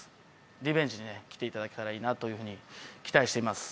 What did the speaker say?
リベンジでね来ていただけたらいいなというふうに期待しています